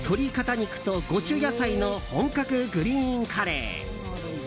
肉と５種野菜の本格グリーンカレー。